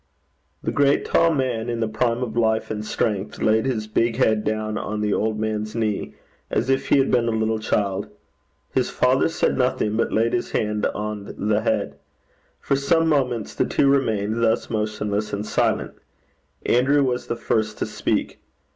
The great tall man, in the prime of life and strength, laid his big head down on the old man's knee, as if he had been a little child. His father said nothing, but laid his hand on the head. For some moments the two remained thus, motionless and silent. Andrew was the first to speak.